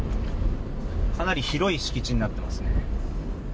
かなり広い敷地になっていますね。